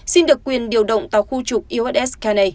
xin được quyền điều động tàu khu trục uss cana